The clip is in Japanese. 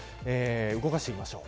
動かしていきましょう。